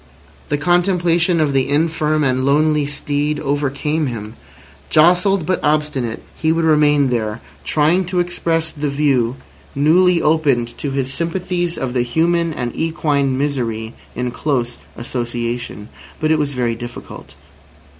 The contemplation of the infirm and lonely steed overcame him. Jostled, but obstinate, he would remain there, trying to express the view newly opened to his sympathies of the human and equine misery in close association. But it was very difficult.